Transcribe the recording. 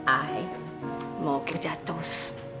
ai mau kerja terus